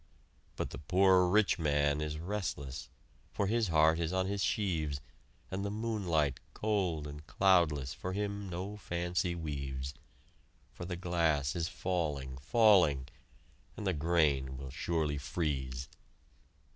But the poor rich man is restless, For his heart is on his sheaves; And the moonlight, cold and cloudless, For him no fancy weaves, For the glass is falling, falling, And the grain will surely freeze!